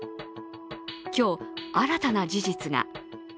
今日、新たな事実が。